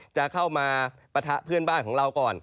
จะเข้ามาปะทะเพื่อนบ้านของเราก่อน